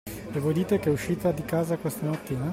E voi dite che è uscita di casa questa mattina?